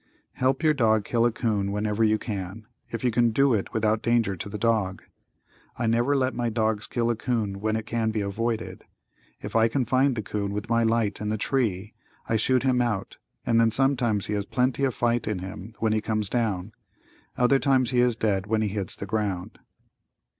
Help your dog kill a 'coon whenever you can, if you can do it without danger to the dog. I never let my dogs kill a 'coon when it can be avoided. If I can find the 'coon with my light in the tree I shoot him out, and then sometimes he has plenty of fight in him when he comes down. Other times he is dead when he hits the ground.